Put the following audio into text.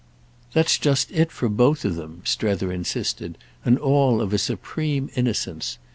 "That's just it, for both of them," Strether insisted—"and all of a supreme innocence.